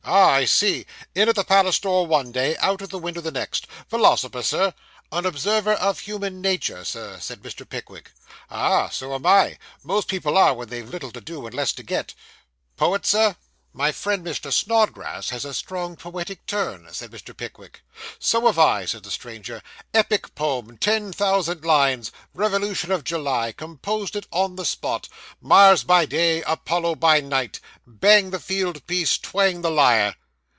'Ah! I see in at the palace door one day, out at the window the next. Philosopher, Sir?' 'An observer of human nature, Sir,' said Mr. Pickwick. 'Ah, so am I. Most people are when they've little to do and less to get. Poet, Sir?' 'My friend Mr. Snodgrass has a strong poetic turn,' said Mr. Pickwick. 'So have I,' said the stranger. 'Epic poem ten thousand lines revolution of July composed it on the spot Mars by day, Apollo by night bang the field piece, twang the lyre.